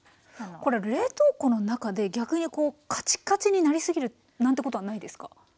この冷凍庫の中で逆にこうカチカチになりすぎるなんてことはないですか？